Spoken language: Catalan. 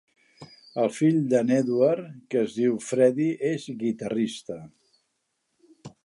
El fill d"en Edward, que és diu Freddie, és guitarrista.